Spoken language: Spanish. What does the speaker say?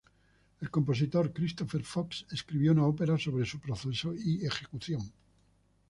El compositor Christopher Fox escribió una ópera sobre su proceso y ejecución